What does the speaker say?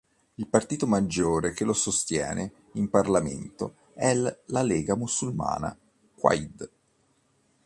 Il partito maggiore che lo sostiene in Parlamento è la Lega Musulmana-Quaid.